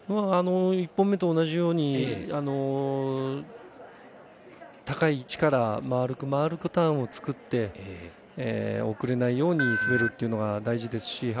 １本目と同じように高い位置から丸く、丸くターンを作って遅れないように滑るというのが大事ですし